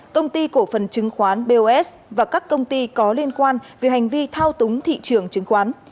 công ty cổ phần chứng khoán bos và các công ty có liên quan về hành vi thao túng thị trường chứng khoán